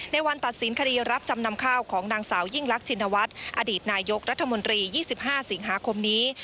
วันตัดสินคดีรับจำนำข้าวของนางสาวยิ่งรักชินวัฒน์อดีตนายกรัฐมนตรี๒๕สิงหาคมนี้